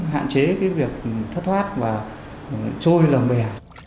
hạn chế cái việc thất thoát và trôi lồng bè